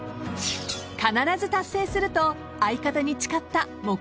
［必ず達成すると相方に誓った目標］